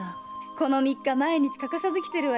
この三日毎日欠かさず来てるわよ。